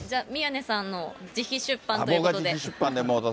じゃあ、宮根さんの自費出版ということで。